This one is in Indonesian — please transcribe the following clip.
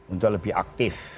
untuk lebih aktif